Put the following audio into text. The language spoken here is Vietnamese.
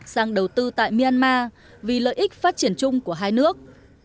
sang đầu tư tại myanmar vì lợi ích phát triển chung của hai nước